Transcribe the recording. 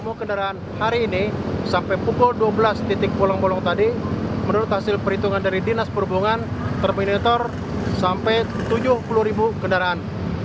semua kendaraan hari ini sampai pukul dua belas titik bolong bolong tadi menurut hasil perhitungan dari dinas perhubungan terminitor sampai tujuh puluh ribu kendaraan